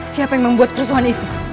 siapa yang membuat kerusuhan itu